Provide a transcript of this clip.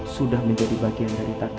sudah menjadi bagian dari takdir